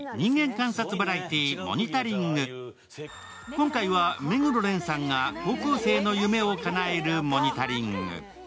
今回は目黒蓮さんが高校生の夢をかなえるモニタリング。